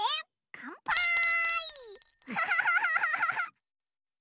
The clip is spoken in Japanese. かんぱーい！